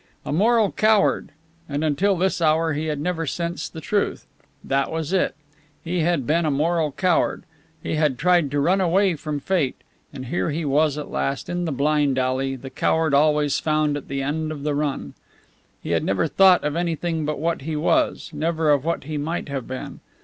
A moral coward, and until this hour he had never sensed the truth! That was it! He had been a moral coward; he had tried to run away from fate; and here he was at last, in the blind alley the coward always found at the end of the run. He had never thought of anything but what he was never of what he might have been.